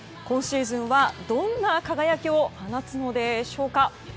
今シーズンはどんな輝きを放つのでしょうか。